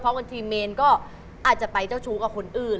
บางทีเมนก็อาจจะไปเจ้าชู้กับคนอื่น